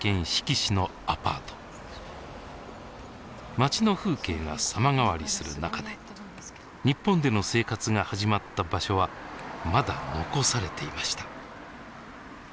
街の風景が様変わりする中で日本での生活が始まった場所はまだ残されていました。